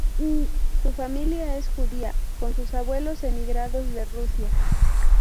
Su familia es judía, con sus abuelos emigrados de Rusia.